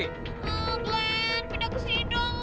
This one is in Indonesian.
oh blen pindah ke sini dong